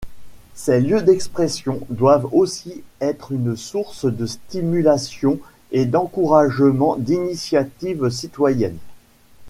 Ces lieux d’expression doivent aussi être une source de stimulation et d’encouragement d’initiatives citoyennes.